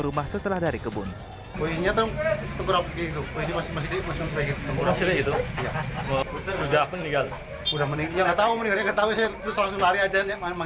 rumah setelah dari kebun punya tempat itu masih masih masih itu sudah menikmati aja